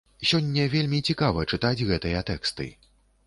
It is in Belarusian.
Сёння вельмі цікава чытаць гэтыя тэксты.